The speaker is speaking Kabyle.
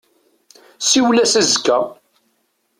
Siwel-as azekka.